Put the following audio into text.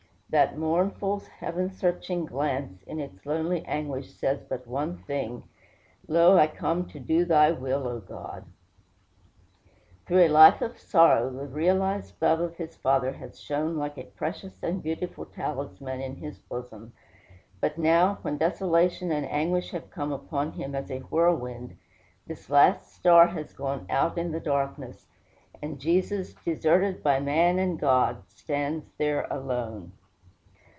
That mournful, heaven searching glance, in its lonely anguish, says but one thing: "Lo, I come to do thy will, O God." Through a life of sorrow the realized love of his Father has shone like a precious and beautiful talisman in his bosom; but now, when desolation and anguish have come upon him as a whirlwind, this last star has gone out in the darkness, and Jesus, deserted by man and God, stands there alone.